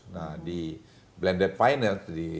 nah di blended finance